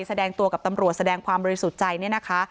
แสดงตัวกับตำรวจแสดงความบริสุทธิ์ใจเนี่ยนะคะ